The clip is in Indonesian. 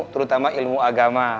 terutama ilmu agama